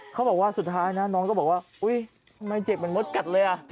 เขาบอกว่าสุดท้ายนะน้องก็บอกว่าอุ๊ยทำไมเจ็บเหมือนมดกัดเลยอ่ะ